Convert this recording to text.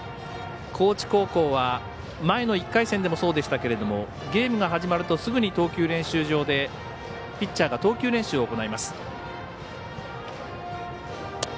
高知高校は前の１回戦でもそうでしたがゲームが始まるとすぐに投球練習場でピッチャーが投球練習を行います。